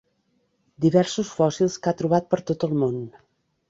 Diversos fòssils que ha trobat per tot el món.